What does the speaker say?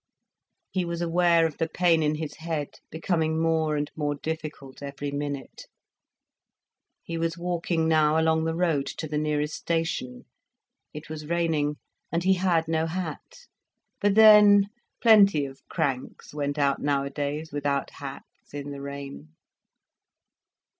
He was aware of the pain in his head becoming more and more difficult every minute. He was walking now along the road to the nearest station. It was raining and he had no hat. But then plenty of cranks went out nowadays without hats, in the rain.